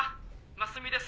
真澄です。